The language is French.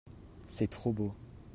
c'est trop beau.